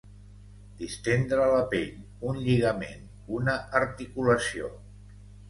Distendre la pell, un lligament, una articulació.